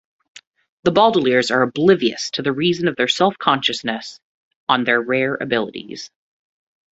The Baudelaires are oblivious to the reason of their self-consciouness on their rare abilities.